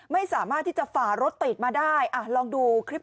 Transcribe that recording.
ไม่สามารถที่จะฝ่ารถติดมาได้อ่ะลองดูคลิป